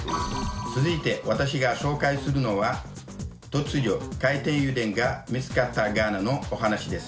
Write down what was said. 続いて私が紹介するのは、突如、海底油田が見つかったガーナのお話です。